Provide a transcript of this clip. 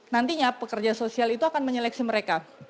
nantinya pekerja sosial itu akan menyeleksi mereka